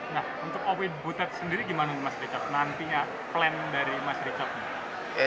nah untuk owi butet sendiri gimana mas richard nantinya plan dari mas richard